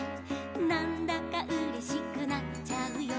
「なんだかうれしくなっちゃうよ」